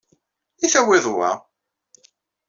I tawyeḍ wa?